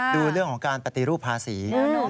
ดูเรื่องของการปฏิรูปภาษี